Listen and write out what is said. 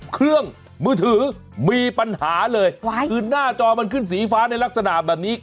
เครื่องมือถือมีปัญหาเลยคือหน้าจอมันขึ้นสีฟ้าในลักษณะแบบนี้